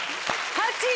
８位！